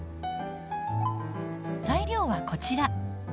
材料はこちら。